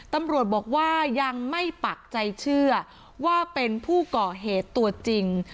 ตำรวจบอกว่ายังไม่ปักใจเชื่อว่าเป็นผู้ก่อเหตุตัวจริง